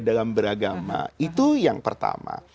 dalam beragama itu yang pertama